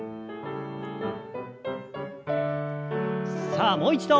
さあもう一度。